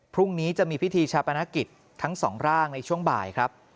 พรุ่งนี้จะมีพิธีชาปนกิจทั้งสองร่างในช่วงบ่ายครับ